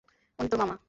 উনি তোর মামা।